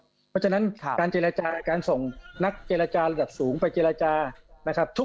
เพราะฉะนั้นการเจรจาการส่งนักเจรจาระดับสูงไปเจรจานะครับ